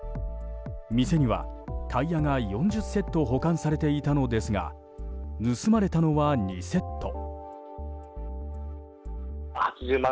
店にはタイヤが４０セット保管されていたのですが盗まれたのは２セット。